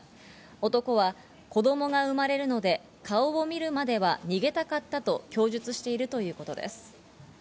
男は子供が生まれるので顔を見るまでは逃げたかったと供述しているということです。